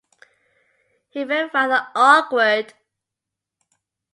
He felt rather awkward.